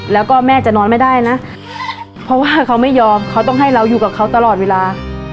แล้วก็แม่จะนอนไม่ได้นะเพราะว่าเขาไม่ยอมเขาต้องให้เราอยู่กับเขาตลอดเวลา